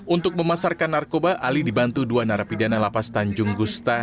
untuk memasarkan narkoba ali dibantu dua narapidana lapas tanjung gusta